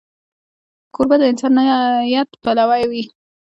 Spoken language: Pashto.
کوربه د انسانیت پلوی وي.